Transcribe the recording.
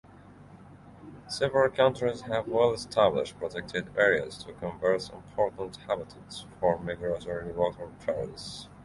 Several countries have well established protected areas to conserve important habitats for migratory waterbirds.